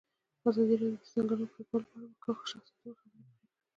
ازادي راډیو د د ځنګلونو پرېکول په اړه د مخکښو شخصیتونو خبرې خپرې کړي.